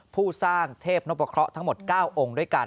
ผู้สร้างเทพนพเคราะห์ทั้งหมด๙องค์ด้วยกัน